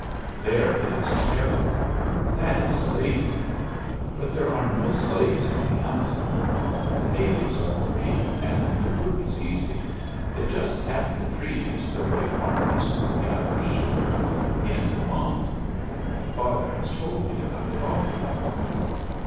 There it is terrible! That is slavery. But there are no slaves on the Amazon. The natives are free and the work is easy. They just tap the trees the way the farmers gather sugar in Vermont. Father has told me about it often."